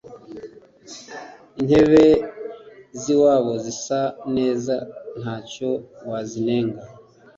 intebe ziwabo zisa neza ntacyo wazinenga